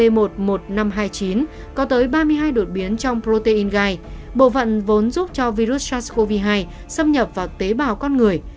là một trong ba mươi hai đột biến trong protein gai bộ phận vốn giúp cho virus sars cov hai xâm nhập vào tế bào con người